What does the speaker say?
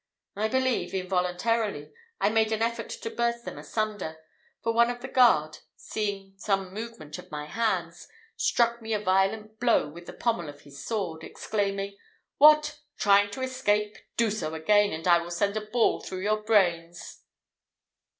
I believe, involuntarily, I made an effort to burst them asunder, for one of the guard, seeing some movement of my hands, struck me a violent blow with the pommel of his sword, exclaiming, "What! trying to escape! Do so again, and I will send a ball through your brains!"